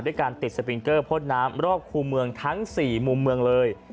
การติดสปิงเกอร์พดน้ำรอบคู่เมืองทั้ง๔มุมเมืองเลย